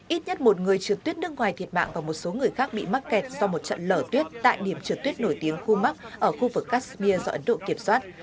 ít nhất một người trượt tuyết nước ngoài thiệt mạng và một số người khác bị mắc kẹt do một trận lở tuyết tại điểm trượt tuyết nổi tiếng khu mark ở khu vực kashmir do ấn độ kiểm soát